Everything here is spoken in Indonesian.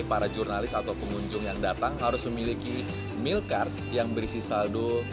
para jurnalis atau pengunjung yang datang harus memiliki meal card yang berisi saldo